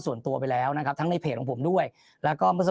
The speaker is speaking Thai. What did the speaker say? ส่วนตัวไปแล้วนะครับทั้งในเพจของผมด้วยแล้วก็เมื่อสัก